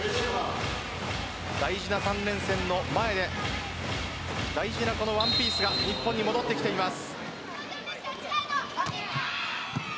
大事な３連戦の前で大事なこの１ピースが日本に戻ってきています。